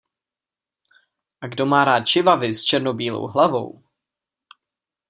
A kdo má rád čivavy s černobílou hlavou...